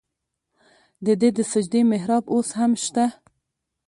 د ده د سجدې محراب اوس هم شته.